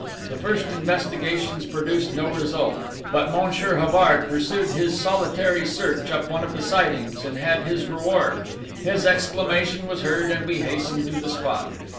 The first investigations produced no result; but Monsieur Havard pursued his solitary search up one of the sidings, and had his reward. His exclamation was heard, and we hastened to the spot....